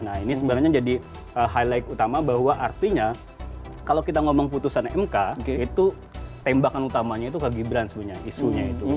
nah ini sebenarnya jadi highlight utama bahwa artinya kalau kita ngomong putusan mk itu tembakan utamanya itu ke gibran sebenarnya isunya itu